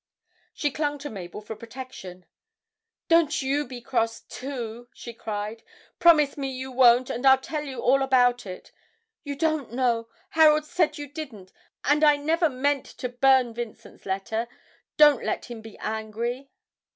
She clung to Mabel for protection. 'Don't you be cross too!' she cried. 'Promise me you won't and I'll tell you all about it ... you don't know.... Harold said you didn't. And I never meant to burn Vincent's letter. Don't let him be angry!'